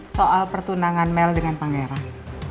soal pertunangan mel dengan pangeran